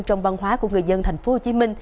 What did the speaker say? trong văn hóa của người dân tp hcm